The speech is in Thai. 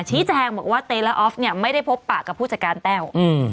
ชี้แจงบอกว่าเต๊และออฟเนี่ยไม่ได้พบปากกับผู้จัดการแต้ว